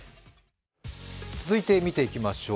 続いて見ていきましょう。